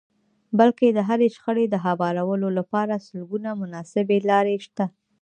بلکې د هرې شخړې د هوارولو لپاره سلګونه مناسبې لارې شته.